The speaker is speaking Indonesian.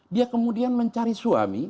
dia kemudian mencari suami